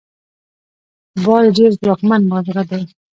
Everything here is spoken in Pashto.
باز ډیر ځواکمن مرغه دی